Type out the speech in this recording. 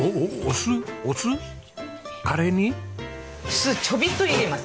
酢ちょびっと入れます。